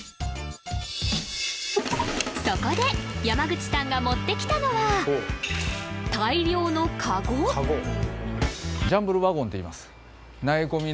そこで山口さんが持ってきたのはジャンブルワゴンっていいます